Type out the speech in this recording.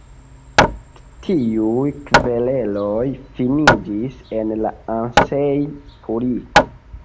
Tiuj kvereloj finiĝis en la Ansei-purigo.